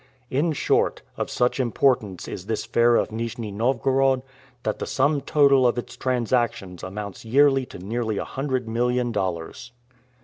In short, of such importance is this fair of Nijni Novgorod, that the sum total of its transactions amounts yearly to nearly a hundred million dollars.